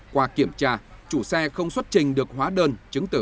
qua kiểm tra chủ xe không xuất trình được hóa đơn chứng từ